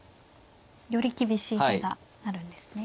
より厳しい手があるんですね。